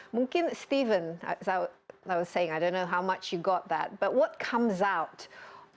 mungkin steven seperti yang saya katakan saya tidak tahu berapa banyak anda dapat itu tapi apa yang keluar dari pandemi yang teruk ini